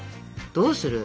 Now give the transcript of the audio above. どうする？